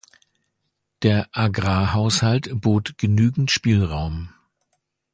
Der Agrarhaushalt bot genügend Spielraum.